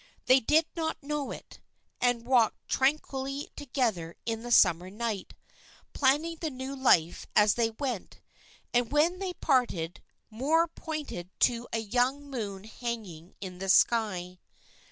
They did not know it, and walked tranquilly together in the summer night, planning the new life as they went, and when they parted Moor pointed to a young moon hanging in the sky.